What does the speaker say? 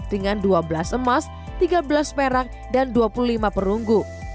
dengan dua belas emas tiga belas perak dan dua puluh lima perunggu